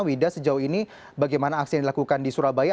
wida sejauh ini bagaimana aksi yang dilakukan di surabaya